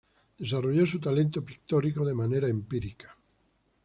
Desarrolló su talento pictórico de manera empírica.